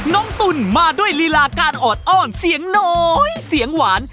ตุ๋นมาด้วยลีลาการออดอ้อนเสียงน้อยเสียงหวาน